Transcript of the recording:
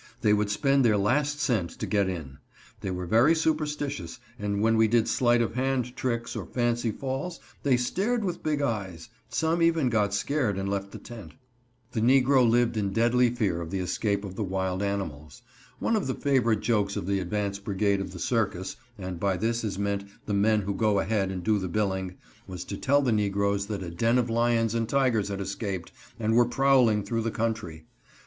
They would spend their last cent to get in. They were very superstitious, and when we did sleight of hand tricks or fancy falls, they stared with big eyes. Some even got scared and left the tent. [Illustration: "BEHIND THE JESTS OF THE CLOWN IS THE SEAR OF SORROW."] The negro lived in deadly fear of the escape of the wild animals. One of the favorite jokes of the advance brigade of the circus, and by this is meant the men who go ahead and do the billing, was to tell the negroes that a den of lions and tigers had escaped, and were prowling through the country.